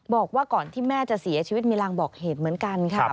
บอกว่าก่อนที่แม่จะเสียชีวิตมีรางบอกเหตุเหมือนกันค่ะ